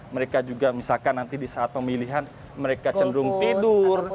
mereka juga misalkan nanti di saat pemilihan mereka cenderung tidur